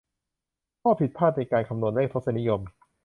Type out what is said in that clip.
ข้อผิดพลาดในการคำนวณเลขทศนิยม